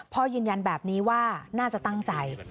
พ่อยืนยันแบบนี้ว่าน่าจะตั้งใจ